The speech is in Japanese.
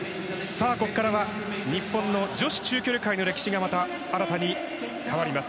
ここからは、日本の女子中距離界の歴史がまた新たに変わります。